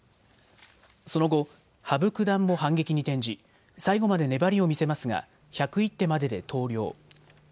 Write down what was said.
その後、羽生九段も反撃に転じ最後まで粘りを見せますが１０１手までで投了。